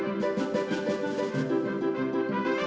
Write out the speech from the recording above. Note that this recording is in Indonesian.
aduh pada kabur ini ya